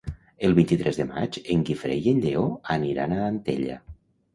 El vint-i-tres de maig en Guifré i en Lleó aniran a Antella.